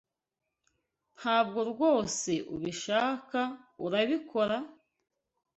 Ntabwo rwose ubishaka, urabikora?